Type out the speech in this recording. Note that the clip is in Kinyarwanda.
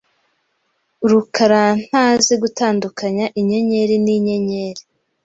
rukarantazi gutandukanya inyenyeri n’inyenyeri.